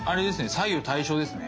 左右対称ですね。